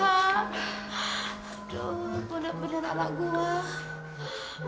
aduh bener bener anak gue